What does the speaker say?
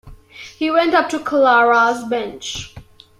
He went up to Clara’s bench.